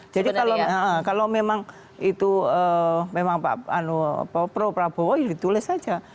jadi kalau memang itu memang pak pro prabowo ditulis aja